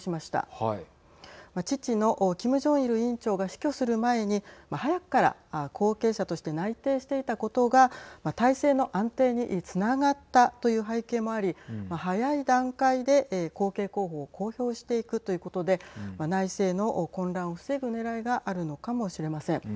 父のキム・ジョンイル委員長が死去する前に早くから後継者として内定していたことが体制の安定につながったという背景もあり早い段階で後継候補を公表していくということで内政の混乱を防ぐねらいがあるのかもしれません。